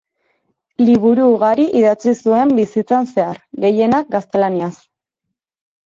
Liburu ugari idatzi zuen bizitzan zehar, gehienak gaztelaniaz.